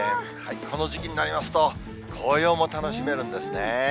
この時期になりますと、紅葉も楽しめるんですね。